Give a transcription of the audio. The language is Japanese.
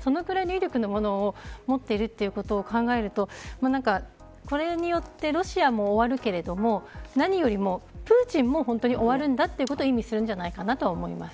そのぐらいの威力のものを持っているということを考えるとこれによってロシアも終わるけれども何よりもプーチンも本当に終わるんだということを意味するんじゃないかと思います。